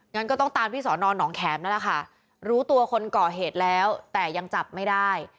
งั้นก็ต้องตามที่สอนอนหนองแขมนั่นแหละค่ะรู้ตัวคนก่อเหตุแล้วแต่ยังจับไม่ได้